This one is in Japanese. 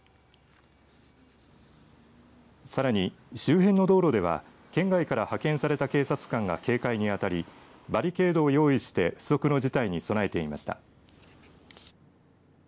さらに周辺の道路では県外から派遣された警察官が警戒に当たりバリケードを用意して不測の事態に備えていました。